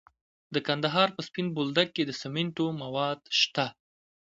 د کندهار په سپین بولدک کې د سمنټو مواد شته.